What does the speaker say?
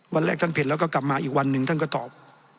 วันแรกท่านผิดแล้วก็กลับมาอีกวันหนึ่งท่านก็ตอบ